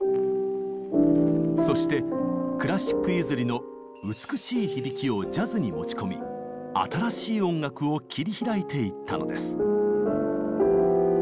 そしてクラシック譲りの「美しい響き」をジャズに持ち込み「新しい音楽」を切り開いていったのです。